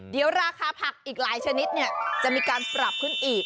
เดี๋ยวราคาผักอีกหลายชนิดเนี่ยจะมีการปรับขึ้นอีก